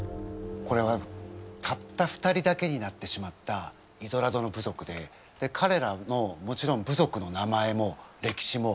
これはたった２人だけになってしまったイゾラドの部族でかれらのもちろん部族の名前も歴史も全く分からない。